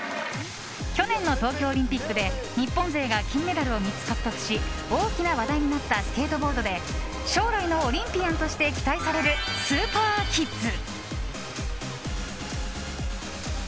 去年の東京オリンピックで日本勢が金メダルを３つ獲得し大きな話題になったスケートボードで将来のオリンピアンとして期待されるスーパーキッズ。